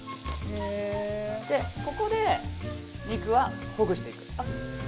ここで肉はほぐしていく。